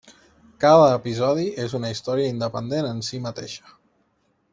Cada episodi és una història independent en si mateixa.